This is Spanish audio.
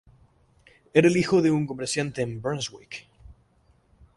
Era el hijo de un comerciante en Brunswick.